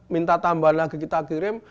minta tambahan lagi kita kirim